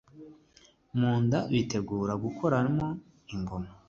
mu nda bitegura gukoramo ingoma